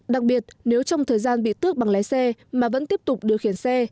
đặc biệt nếu trong thời gian bị tước bằng lái xe mà vẫn tiếp tục điều khiển xe